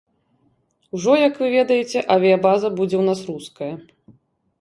Ужо, як вы ведаеце, авіябаза будзе ў нас руская.